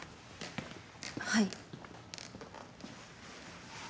はい。